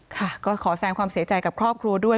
ค่ะก็ขอแสงความเสียใจกับครอบครัวด้วย